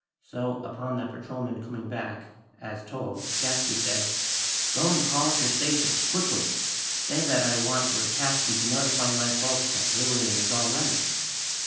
So, upon that patrolman coming back, as told, Gadsby said: "Go and call up your station, quickly! Say that I want your Captain to notify my folks that Lillian is all right."